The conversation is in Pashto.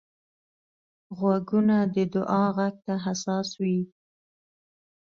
غوږونه د دعا غږ ته حساس وي